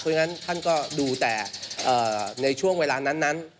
เพราะฉะนั้นท่านก็ดูแต่ในช่วงเวลานั้น